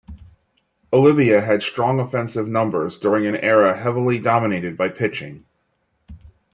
Oliva had strong offensive numbers during an era heavily dominated by pitching.